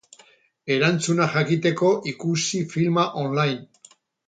Erantzuna jakiteko ikusi filma online.